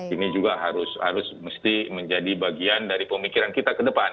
ini juga harus mesti menjadi bagian dari pemikiran kita ke depan